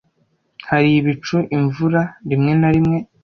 Hari ibicu, imvura rimwe na rimwe.